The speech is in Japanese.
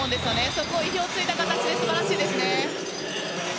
そこを意表をついた形で素晴らしいですね。